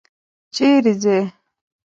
چېرې ځې؟